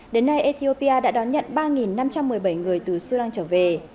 đến nay ethiopia đã đón nhận ba năm trăm một mươi bảy người từ sudan trở về